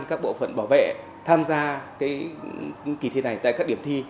các bộ phận bảo vệ tham gia kỳ thi này tại các điểm thi